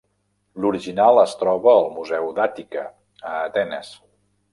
L'original es troba al Museu d'Àtica, a Atenes.